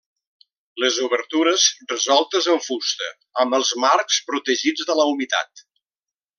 Les obertures resoltes en fusta, amb els marcs protegits de la humitat.